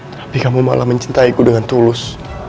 tapi kamu malah mencintaiku dengan tulus